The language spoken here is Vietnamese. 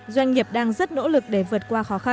doanh nghiệp đang rất nỗ lực để vượt qua khó khăn